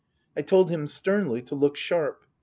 I told him sternly to look sharp.